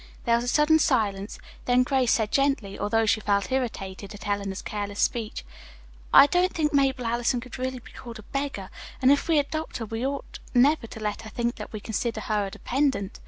There was a sudden silence. Then Grace said gently, although she felt irritated at Eleanor's careless speech: "I don't think Mabel Allison could really be called a beggar; and if we adopt her, we ought never to let her think that we consider her a dependent.